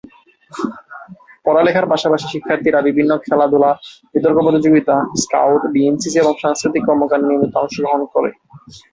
পড়ালেখার পাশাপাশি শিক্ষার্থীরা বিভিন্ন খেলাধুলা, বিতর্ক প্রতিযোগিতা, স্কাউট, বিএনসিসি এবং সাংস্কৃতিক কর্মকান্ডে নিয়মিত অংশগ্রহণ করে।